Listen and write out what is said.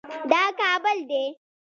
دا کابل دی